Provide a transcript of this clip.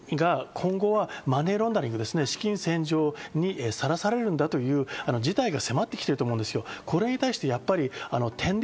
今回、個別の案件もあるんですけど、日本が今後はマネーロンダリング、資金洗浄にさらされるんだという事態が迫ってきていると思うんです。